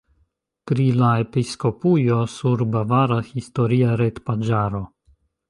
Pri la episkopujo sur bavara historia retpaĝaro.